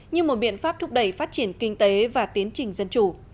như một biện pháp thúc đẩy phát triển kinh tế và tiến trình dân chủ